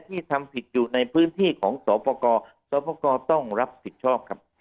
ที่ทำผิดอยู่ในพื้นที่ของสปกรสปกรต้องรับผิดชอบครับ